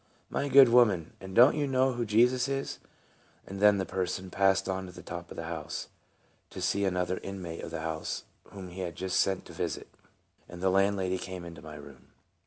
" My good woman, and do n't you know who Jesus is ?" and then the person passed on to the top of the house, to see another inmate of the house, whom he had been sent to visit, and the landlady came into my room.